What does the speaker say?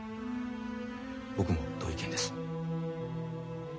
僕も同意見です。